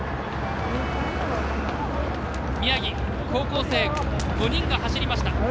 宮城、高校生５人が走りました。